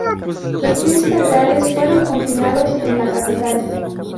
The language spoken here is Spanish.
Los príncipes reales fueron confinados en la capital.